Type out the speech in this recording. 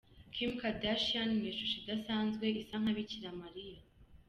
Kim Kardashian mu ishusho idasanzwe isa nka Bikiramaliya.